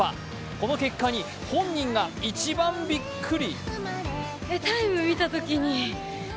この結果に本人が一番びっくり。